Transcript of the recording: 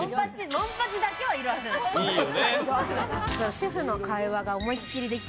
主婦の会話が思いっきりできた。